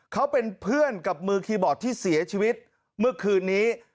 เขาเป็นเพื่อนกับมือคีย์บอร์ดที่เสียชีวิตเมื่อคืนนี้